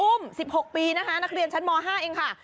อุ้ม๑๖ปีนะคะนักเรียนชั้นม๕เองค่ะ